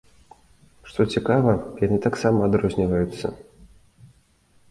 Што цікава, яны таксама адрозніваюцца.